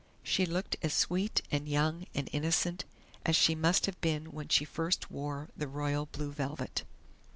She looked as sweet and young and innocent as she must have been when she first wore the royal blue velvet."